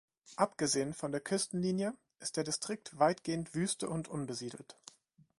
Abgesehen von der Küstenlinie ist der Distrikt weitgehend Wüste und unbesiedelt.